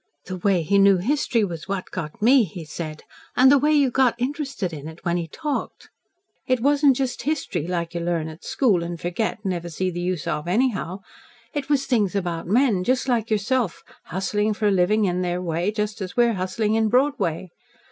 "The way he knew history was what got me," he said. "And the way you got interested in it, when he talked. It wasn't just HISTORY, like you learn at school, and forget, and never see the use of, anyhow. It was things about men, just like yourself hustling for a living in their way, just as we're hustling in Broadway.